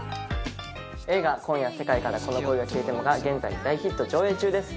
映画『今夜、世界からこの恋が消えても』が現在大ヒット上映中です。